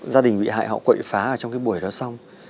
gia đình bị hại họ quậy phá ở trong cái buổi đó xong